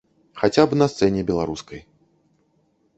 Хаця б на сцэне беларускай.